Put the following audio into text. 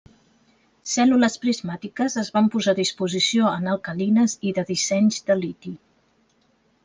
Cèl·lules prismàtiques es van posar a disposició en alcalines i de dissenys de liti.